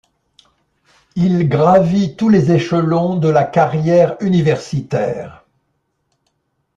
Il gravit tous les échelons de la carrière universitaire.